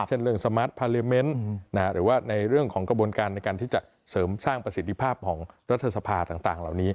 เช่นเรื่องสมาร์ทพาเลเมนต์หรือว่าในเรื่องของกระบวนการในการที่จะเสริมสร้างประสิทธิภาพของรัฐสภาต่างเหล่านี้